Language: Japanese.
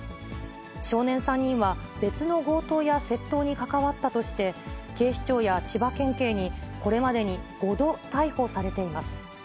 少年３人は、別の強盗や窃盗に関わったとして、警視庁や千葉県警にこれまでに５度逮捕されています。